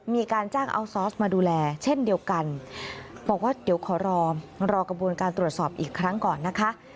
มีการจ้างอัลซอสมาดูแลเช่นเดียวกันบอกว่าเดี๋ยวขอรอกระบวนการตรวจสอบอีกครั้งก่อนนะคะ